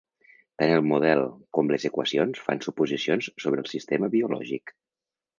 Tant el model com les equacions fan suposicions sobre el sistema biològic.